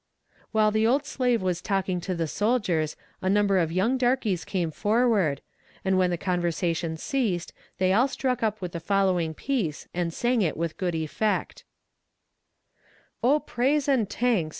While the old slave was talking to the soldiers a number of young darkies came forward, and when the conversation ceased they all struck up the following piece, and sang it with good effect: Oh, praise an' tanks!